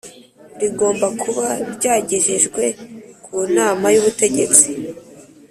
rigomba kuba ryagejejwe ku Nama y Ubutegetsi